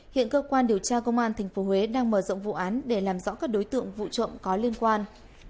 hiện cơ quan điều tra công an tp huế đang mở rộng vụ án để làm rõ các đối tượng vụ trộm có liên quan